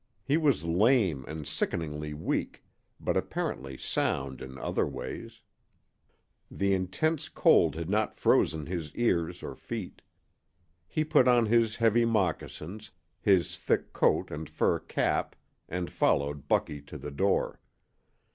He was lame and sickeningly weak, but apparently sound in other ways. The intense cold had not frozen his ears or feet. He put on his heavy moccasins, his thick coat and fur cap, and followed Bucky to the door.